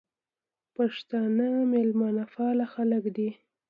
پښتانه میلمه پاله خلک دي